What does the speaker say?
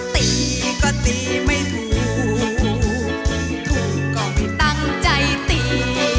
ตีก็ตีไม่ถูกถูกก็ไม่ตั้งใจตี